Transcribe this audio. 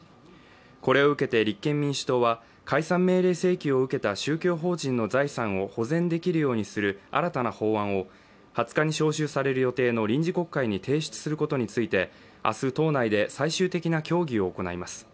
これを受けて立憲民主党は解散命令請求を受けた宗教法人の財産を保全できるようにする新たな法案を２０日に召集される予定の臨時国会に提出することについて明日、党内で最終的な協議を行います。